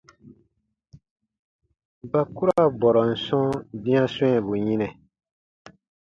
Ba ku ra bɔrɔn sɔ̃ dĩa swɛ̃ɛbu yinɛ.